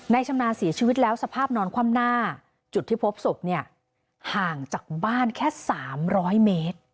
ชำนาญเสียชีวิตแล้วสภาพนอนคว่ำหน้าจุดที่พบศพเนี่ยห่างจากบ้านแค่๓๐๐เมตร